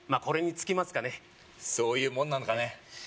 これに尽きますかねそういうもんなのかね